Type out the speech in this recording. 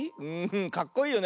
かっこいいよね。